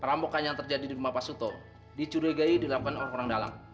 perampokan yang terjadi di rumah pak suto dicurigai dilakukan orang orang dalam